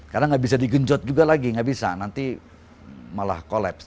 karena tidak bisa digenjot juga lagi nanti malah collapse